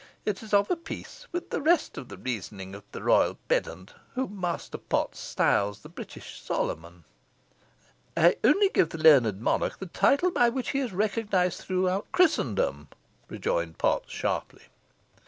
"It is of a piece with the rest of the reasoning of the royal pedant, whom Master Potts styles the British Solomon." "I only give the learned monarch the title by which he is recognised throughout Christendom," rejoined Potts, sharply.